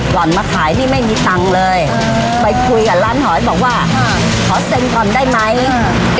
ก่อนมาขายนี่ไม่มีตังค์เลยไปคุยกับร้านหอยบอกว่าค่ะขอเซ็นก่อนได้ไหมอ่า